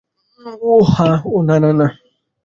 ওহ, না, না, না!